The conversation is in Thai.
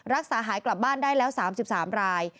รักษาหายกลับบ้านได้แล้ว๓๓ราย